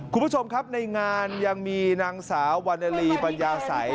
คุณผู้ชมครับในงานยังมีนางสาววรรณลีปัญญาสัย